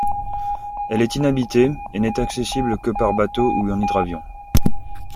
Elle est inhabitée, et n'est accessible que par bateau ou en hydravion.